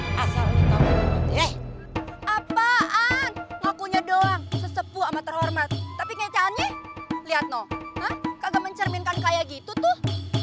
apaan ngakunya doang sesepuh ama terhormat tapi kecannya lihat noh kagak mencerminkan kayak gitu tuh